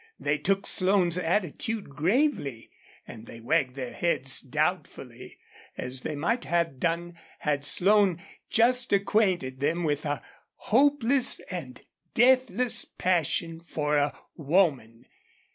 They took Slone's attitude gravely and they wagged their heads doubtfully, as they might have done had Slone just acquainted them with a hopeless and deathless passion for a woman.